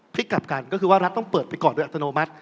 พลิกกลับกันก็คือว่ารัฐต้องเปิดไปก่อนโดยอัตโนมัติ